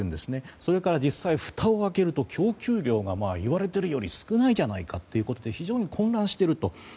それから、ふたを開けると供給量が言われているより少ないじゃないかってことで非常に混乱していると。